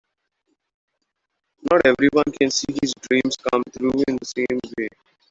Not everyone can see his dreams come true in the same way.